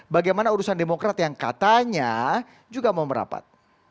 bagaimana urusan demokrat yang katanya juga mau merapat